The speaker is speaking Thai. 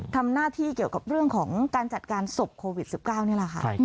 ทำหน้าที่เกี่ยวกับเรื่องของการจัดการศพโควิด๑๙นี่แหละค่ะ